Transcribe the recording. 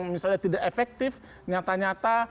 misalnya tidak efektif nyata nyata